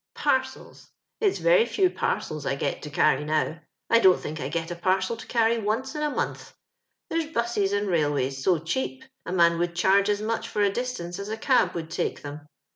Parcels 1 it's very few parcels I get to carry now; I don't think I get a parcel to carry once in a month: there's 'busses and railways so cheap. A man would charge as much for a distance as a cab would take them.